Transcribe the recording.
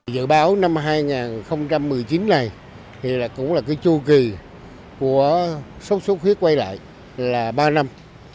dự báo năm hai nghìn một mươi chín này thì cũng là cái chu kỳ của sốt xuất huyết quay lại là ba năm